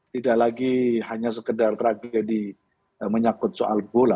tidak lagi hanya sekedar tragedi menyakut soal bola